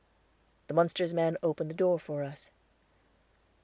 The Munsters' man opened the door for us.